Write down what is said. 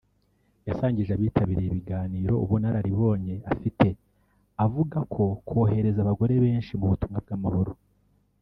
yasangije abitabiriye ibiganiro ubunararibonye afite avuga ko kohereza abagore benshi mu butumwa bw’amahoro